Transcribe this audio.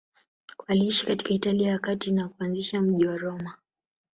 Waliishi katika Italia ya Kati na kuanzisha mji wa Roma.